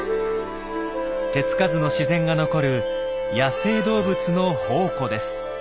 手付かずの自然が残る野生動物の宝庫です。